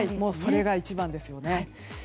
それが一番ですよね。